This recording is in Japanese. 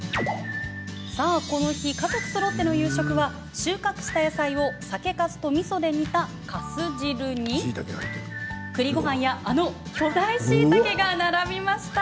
この日、家族そろっての夕食は収穫した野菜を酒かすとみそで煮た、かす汁にくりごはんやあの巨大しいたけが並びました。